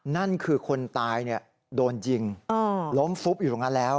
นั่นคือคนตายโดนยิงล้มฟุบอยู่ตรงนั้นแล้ว